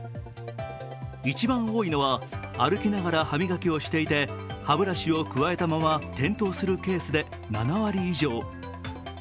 一番多いのは歩きながら歯磨きをしていて歯ブラシをくわえたまま転倒するケースで７割以上。